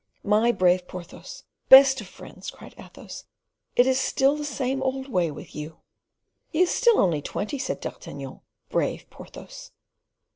"My brave Porthos! best of friends," cried Athos, "it is still the same old way with you." "He is still only twenty," said D'Artagnan, "brave Porthos!"